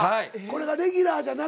これがレギュラーじゃなく。